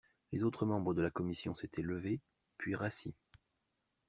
Les autres membres de la Commission s'étaient levés, puis rassis.